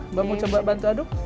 mbak mau coba bantu aduk